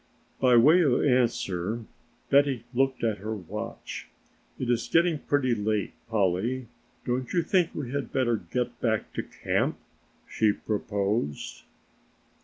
By way of answer Betty looked at her watch. "It is getting pretty late, Polly, don't you think we had better get back to camp?" she proposed.